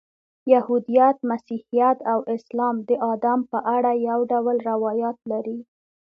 یهودیت، مسیحیت او اسلام د آدم په اړه یو ډول روایات لري.